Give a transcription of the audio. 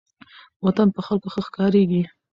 وطن په خلکو ښه ښکاریږي.